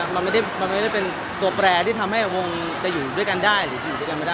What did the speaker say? มันไม่ได้เป็นตัวแปรที่ทำให้วงจะอยู่ด้วยกันได้หรืออยู่ด้วยกันไม่ได้